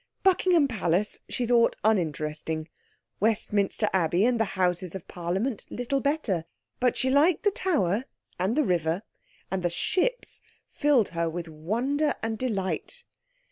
Buckingham Palace she thought uninteresting; Westminster Abbey and the Houses of Parliament little better. But she liked the Tower, and the River, and the ships filled her with wonder and delight.